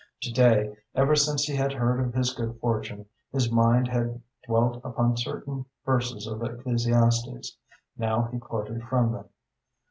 To day, ever since he had heard of his good fortune, his mind had dwelt upon certain verses of Ecclesiastes. Now he quoted from them.